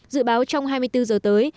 dự báo trong hai mươi bốn h tới